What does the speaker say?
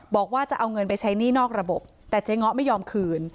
บอกว่าจะเอาเงินไปใช้หนี้นอกระบบแต่เจ๊ง้อไม่ยอมคืน